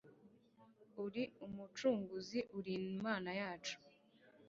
uri umucunguzi uri imana yacu